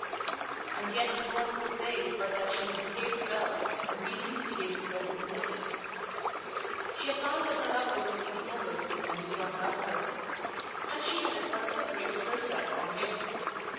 And yet no one could say but that she had behaved well and been instigated by good motives. She had found that her lover was ignoble, and did not love her. And she had at once separated herself from him.